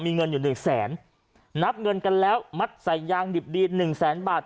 มีเงินอยู่หนึ่งแสนนับเงินกันแล้วมัดใส่ยางดิบดีหนึ่งแสนบาท